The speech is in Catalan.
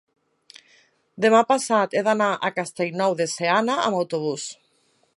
demà passat he d'anar a Castellnou de Seana amb autobús.